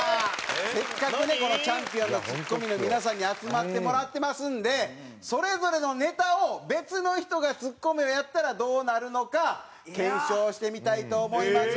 せっかくねこのチャンピオンのツッコミの皆さんに集まってもらってますんでそれぞれのネタを別の人がツッコミをやったらどうなるのか検証してみたいと思います。